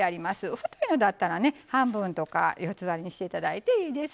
太いのだったら半分とか四つ割りにしていただいていいです。